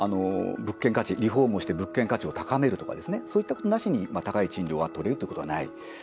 リフォームをして物件価値を高めるですとかねそういったことなしに高い賃料が取れるっていうことはない。